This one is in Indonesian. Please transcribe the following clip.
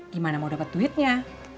gimana mau dapet duitnya